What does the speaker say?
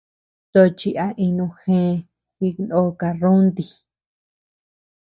Tochi a inu jee, jinó karrunti.